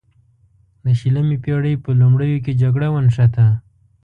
د شلمې پیړۍ په لومړیو کې جګړه ونښته.